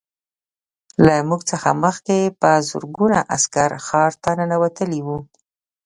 له موږ څخه مخکې په زرګونه عسکر ښار ته ننوتلي وو